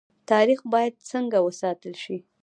تاریخ باید څنګه وساتل شي؟